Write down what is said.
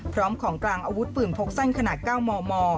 พร้อมของกลางอาวุธปืนพกสั้นขนาด๙มม